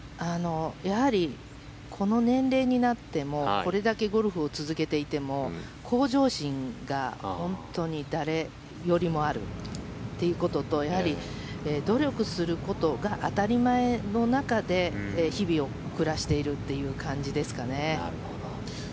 やはりこの年齢になってもこれだけゴルフを続けていても向上心が本当に誰よりもあるということとやはり努力することが当たり前の中で日々を暮らしているという感じですかね。